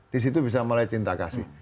disitu bisa mulai cinta kasih